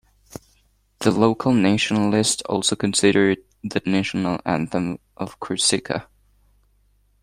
The local nationalists also consider it the national anthem of Corsica.